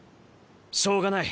しょうがない。